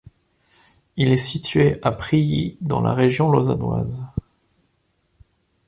Il est situé à Prilly, dans la région lausannoise.